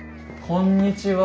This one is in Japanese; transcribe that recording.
こんにちは。